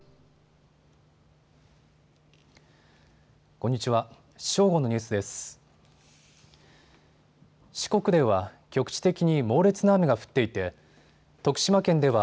こんにちは。